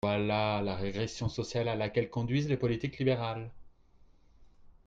Voilà la régression sociale à laquelle conduisent les politiques libérales